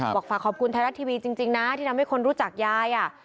ฝากขอบคุณไทยรัฐทีวีจริงนะที่ทำให้คนรู้จักยาย